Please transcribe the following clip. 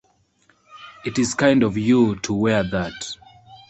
It is kind of you to wear that.